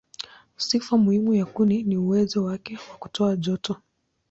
Sifa muhimu ya kuni ni uwezo wake wa kutoa joto.